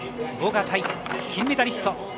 ボガタイ、金メダリスト。